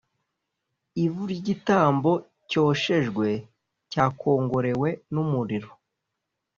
ivu ry igitambo cyoshejwe cyakongorewe n umuriro